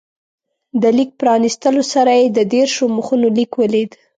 د لیک پرانستلو سره یې د دېرشو مخونو لیک ولید.